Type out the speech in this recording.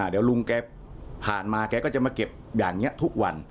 เดี๋ยวลุงแกผ่านมาแกก็จะมาเก็บอย่างนี้ทุกวัน